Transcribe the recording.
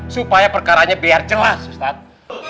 supaya perkaranya biar jelas ustadz